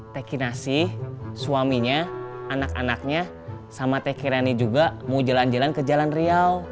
teki nasi suaminya anak anaknya sama teh kirani juga mau jalan jalan ke jalan riau